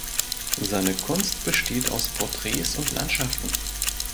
Seine Kunst besteht aus Porträts und Landschaften.